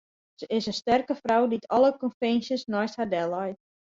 Sy is in sterke frou dy't alle konvinsjes neist har delleit.